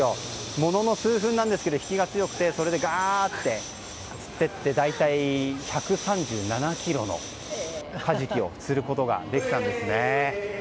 ものの数分ですが引きが強くてそれからがーっと釣っていって大体１３７ｋｇのカジキを釣ることができたんですね。